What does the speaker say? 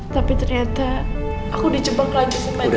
tapi ternyata aku dicebak lanjut sama dia